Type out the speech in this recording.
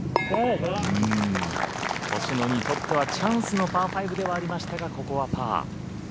星野にとってはチャンスのパー５ではありましたがここはパー。